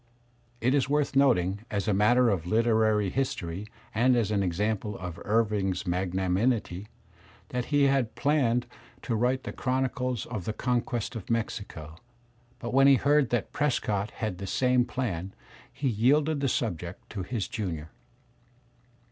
It is worth noting, as a matter of literary history and as an example of Irving's magnanimity, that he had planned Digitized by Google 34 THE SPIRIT OF AMERICAN LITERATURE to write the chronicle of the conquest of Mexico, but when he heard that Prescott had the same plan, he yielded the subject to his junior.